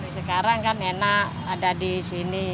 sekarang kan enak ada di sini